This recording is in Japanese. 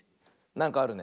なんかあるね。